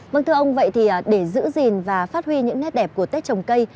vâng thưa ông vậy thì để giữ gìn và phát huy những nét đẹp của tết trồng cây